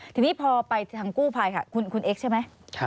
ทีนี้พอไปทางกู้ภัยค่ะคุณเอ็กซ์ใช่ไหม